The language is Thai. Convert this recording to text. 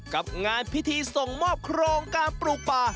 กับงานพิธีส่งมอบโครงการปลูกป่า